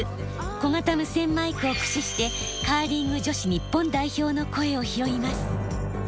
小型無線マイクを駆使してカーリング女子日本代表の声を拾います。